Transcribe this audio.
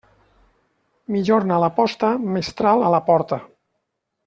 Migjorn a la posta, mestral a la porta.